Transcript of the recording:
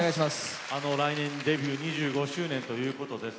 来年デビュー２５周年ということです。